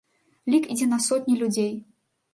Лік ідзе на сотні людзей.